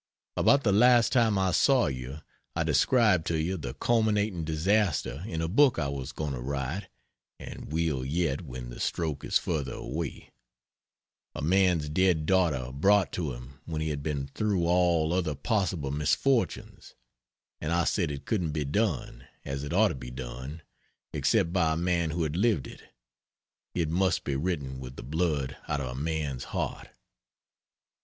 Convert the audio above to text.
About the last time I saw you I described to you the culminating disaster in a book I was going to write (and will yet, when the stroke is further away) a man's dead daughter brought to him when he had been through all other possible misfortunes and I said it couldn't be done as it ought to be done except by a man who had lived it it must be written with the blood out of a man's heart.